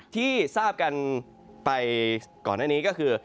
ที่ทราบกันไปก่อนหน้านี้ก็คือ